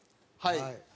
はい。